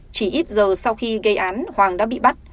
chỉ ít giờ sau khi gây án hoàng đã bị bắt